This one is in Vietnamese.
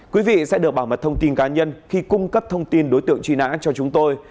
quý vị sẽ được bảo mật thông tin cá nhân khi cung cấp thông tin đối tượng truy nã cho chúng tôi